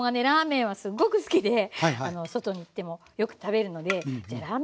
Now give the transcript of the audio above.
ラーメンはすっごく好きで外に行ってもよく食べるのでじゃあ